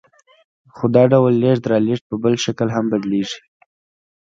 خو دا ډول لېږد رالېږد په بل شکل هم بدلېږي